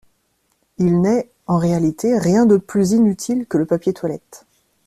Il n’est, en réalité, rien de plus inutile que le papier toilette.